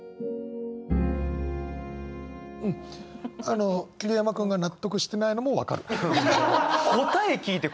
あの桐山君が納得してないのも分かる。